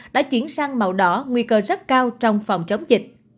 đã chuyển sang màu đỏ nguy cơ rất cao trong phòng chống dịch